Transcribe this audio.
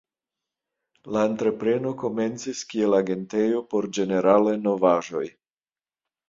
La entrepreno komencis kiel agentejo por ĝeneralaj novaĵoj.